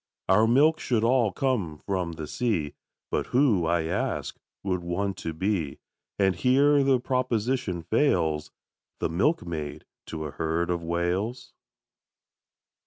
Our milk should all come from the sea, But who, I ask, would want to be, And here the proposition fails, The milkmaid to a herd of Whales?